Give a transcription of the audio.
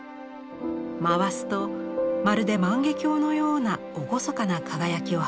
回すとまるで万華鏡のような厳かな輝きを放ちます。